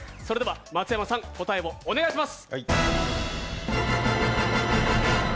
松山さん、答えをお願いします。